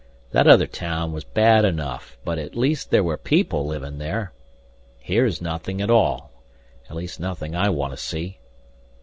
That other town was bad enough. But at least there were people living there. Here's nothing at all at least nothing I want to see."